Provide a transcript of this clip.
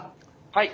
はい！